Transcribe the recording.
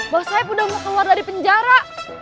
bahwa saya udah mau keluar dari penjara